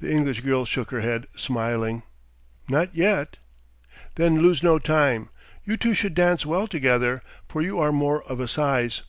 The English girl shook her head, smiling. "Not yet." "Then lose no time. You two should dance well together, for you are more of a size.